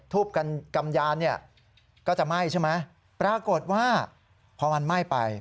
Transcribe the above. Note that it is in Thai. กำยานเนี่ยก็จะไหม้ใช่ไหมปรากฏว่าพอมันไหม้ไป